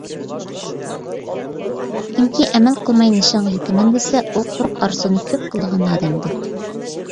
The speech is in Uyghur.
كىمكى ئەمەل قىلماي نىشانغا يېتىمەن دېسە، ئۇ قۇرۇق ئارزۇنى كۆپ قىلىدىغان ئادەمدۇر.